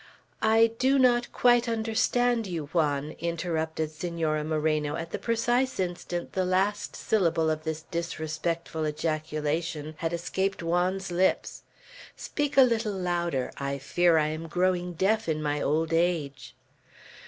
"I do not quite understand you, Juan," interrupted Senora Moreno at the precise instant the last syllable of this disrespectful ejaculation had escaped Juan's lips; "speak a little louder. I fear I am growing deaf in my old age."